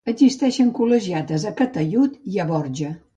Existeixen col·legiates a Calataiud i a Borja.